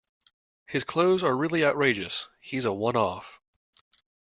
His clothes are really outrageous. He's a one-off